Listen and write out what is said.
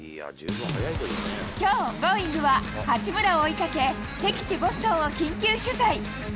きょう、Ｇｏｉｎｇ！は八村を追いかけ、敵地、ボストンを緊急取材。